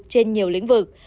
trên nhiều lĩnh vực